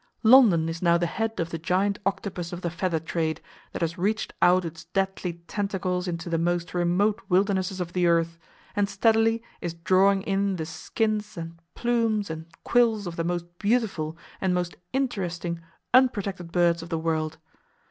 London is now the head of the giant octopus of the "feather trade" that has reached out its deadly tentacles into the most remote wildernesses of the earth, and steadily is drawing in the "skins" and "plumes" and "quills" of the most beautiful and most interesting unprotected birds of the world.